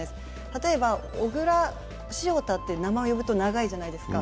例えば、小椋・潮田って名前を呼ぶと長いじゃないですか。